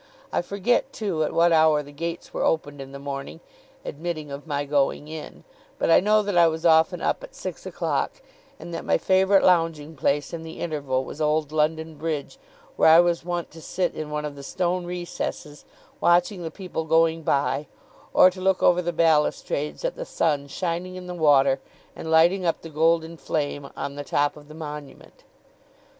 I forget, too, at what hour the gates were opened in the morning, admitting of my going in; but I know that I was often up at six o'clock, and that my favourite lounging place in the interval was old London Bridge, where I was wont to sit in one of the stone recesses, watching the people going by, or to look over the balustrades at the sun shining in the water, and lighting up the golden flame on the top of the Monument.